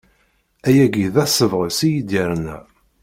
Ayagi d asebɣes i yi-d-yerna.